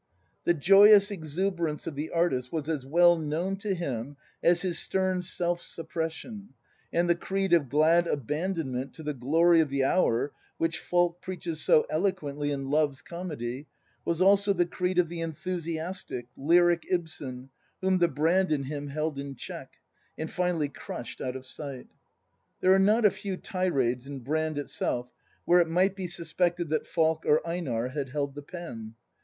The joyous exuberance of the artist was as well known to him as his stern self sup pression; and the creed of glad abandonment to the glory of the hour, which Falk preaches so eloquently in Love's Comedy, was also the creed of the enthusiastic, lyric Ibsen whom the Brand in him held in check, and finally crushed out of sight. There are not a few tirades in Brand itself,, where it might be suspected that Falk or Einar had held the pen.